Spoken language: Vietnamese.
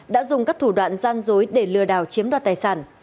đã dùng các thủ đoạn gian dối để lừa đảo chiếm đoạt tài sản